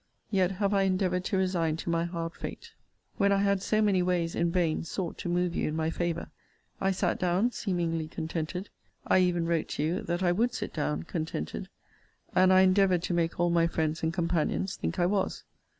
Yet have I endeavoured to resign to my hard fate. When I had so many ways, in vain, sought to move you in my favour, I sat down seemingly contented. I even wrote to you that I would sit down contented. And I endeavoured to make all my friends and companions think I was.